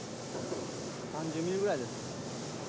３０ミリぐらいです。